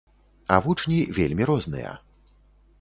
А вучні вельмі розныя.